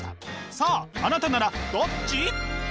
さああなたならどっち？